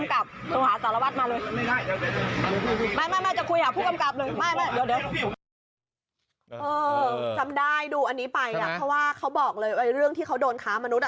จำได้ดูอันนี้ไปเนี่ยเพราะว่าเขาบอกเลยเรื่องที่เขาโดนค้ามนุษย